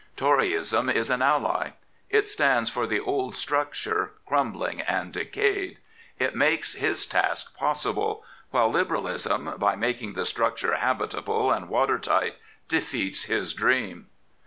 Toryism is an ally. It stands for the old structure, crumbling and decayed. It makes his task possible; while Liberalism, by making the structure habitable and watertight, defeats his dream.